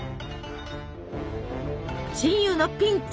親友のピンチ！